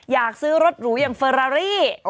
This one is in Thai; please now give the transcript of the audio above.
อยากซื้อรถหรูอย่างเฟอรารี่